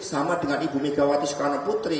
sama dengan ibu megawati soekarno putri